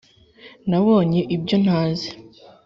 nabonye ibyo ntazi